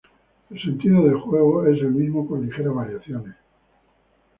El sentido del juego es el mismo con ligeras variaciones.